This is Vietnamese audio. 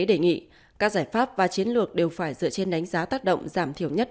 đề nghị các giải pháp và chiến lược đều phải dựa trên đánh giá tác động giảm thiểu nhất